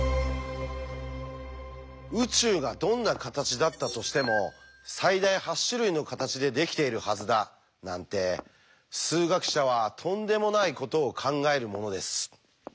「宇宙がどんな形だったとしても最大８種類の形でできているはずだ」なんて数学者はとんでもないことを考えるものです。